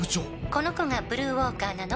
「この子がブルーウォーカーなの？